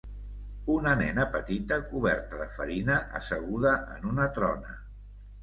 Una nena petita coberta de farina asseguda en una trona.